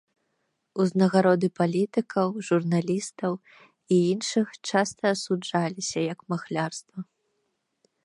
Узнагароды палітыкаў, журналістаў, і іншых часта асуджаліся як махлярства.